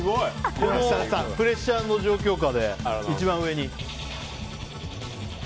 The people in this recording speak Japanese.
このプレッシャーの状況下で一番上に。